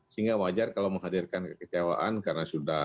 sehingga wajar kalau menghadirkan kekecewaan karena sudah